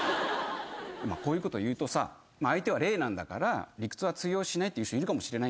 こういうこと言うとさ相手は霊なんだから理屈は通用しないっていう人いるかもしれないんだけど。